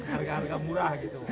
harga harga murah gitu